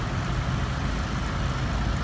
พร้อมต่ำยาว